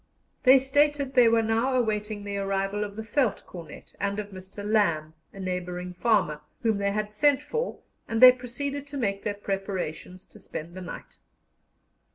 They stated they were now awaiting the arrival of the Veldtcornet and of Mr. Lamb, a neighbouring farmer, whom they had sent for, and they proceeded to make their preparations to spend the night.